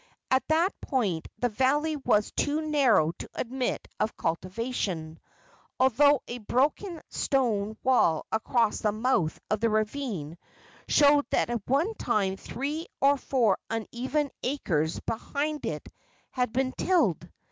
At that point the valley was too narrow to admit of cultivation, although a broken stone wall across the mouth of the ravine showed that at one time three or four uneven acres behind it had been tilled.